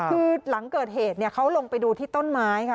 คือหลังเกิดเหตุเขาลงไปดูที่ต้นไม้ค่ะ